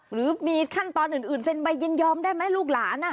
หรือมีขั้นตอนอื่นเซ็นใบยินยอมได้ไหมลูกหลาน